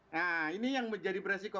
nah ini yang menjadi beresiko